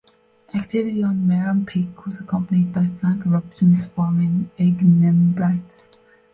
Activity on Merrem Peak was accompanied by flank eruptions forming ignimbrites.